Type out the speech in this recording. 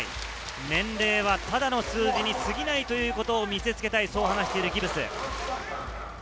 年齢はただの数字にすぎないということを見せ付けたいというギブス。